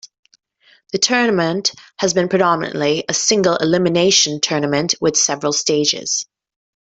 The tournament has been predominantly a single-elimination tournament with several stages.